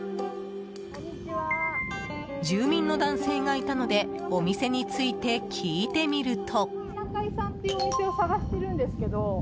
住民の男性がいたのでお店について聞いてみると。